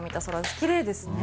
きれいですね。